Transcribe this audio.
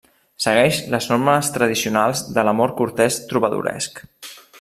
Segueix les normes tradicionals de l'amor cortès trobadoresc.